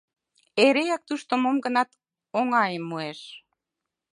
Эреак тушто мом-гынат оҥайым муэш.